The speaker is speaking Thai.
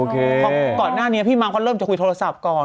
เพราะก่อนหน้านี้พี่มัมเขาเริ่มจะคุยโทรศัพท์ก่อน